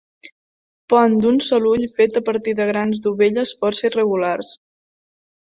Pont d'un sol ull fet a partir de grans dovelles força irregulars.